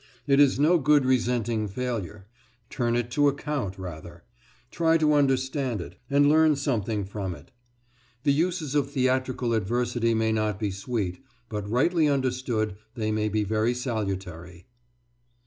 It is no good resenting failure; turn it to account rather; try to understand it, and learn something from it. The uses of theatrical adversity may not be sweet, but rightly understood they may be very salutary.